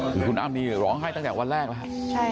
คือคุณอัมนีร้องให้ตั้งแต่วันแรกนะฮะ